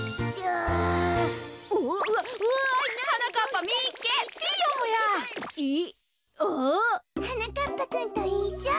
あ！はなかっぱくんといっしょ。